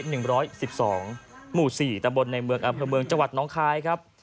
หมู่๔ตะบนในเมืองอำเภอเมืองจังหวัดน้องคายครับ